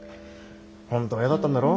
本当は嫌だったんだろ？